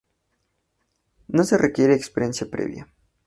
No se requiere experiencia previa.